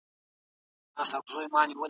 ګودر ځاځی